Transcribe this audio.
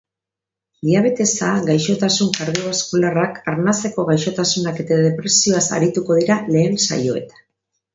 Diabetesa, gaixotasun kardiobaskularrak, arnaseko gaixotasunak eta depresioaz arituko dira lehen saioetan.